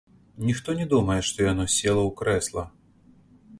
Ніхто не думае, што яно села ў крэсла.